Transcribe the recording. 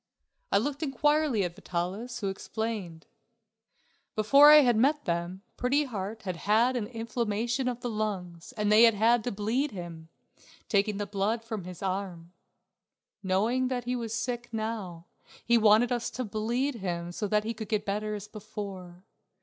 I looked inquiringly at Vitalis, who explained: Before I had met them Pretty Heart had had inflammation of the lungs and they had had to bleed him, taking the blood from his arm. Knowing that he was sick now he wanted us to bleed him so that he could get better as before.